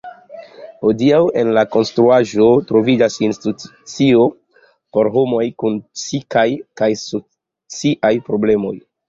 Hodiaŭ en la konstruaĵo troviĝas institucio por homoj kun psikaj kaj sociaj problemoj.